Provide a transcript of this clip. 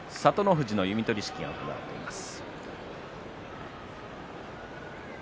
富士の弓取式が行われています。